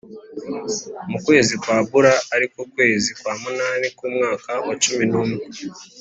Mu kwezi kwa Bula, ari ko kwezi kwa munani k’umwaka wa cumi n’umwe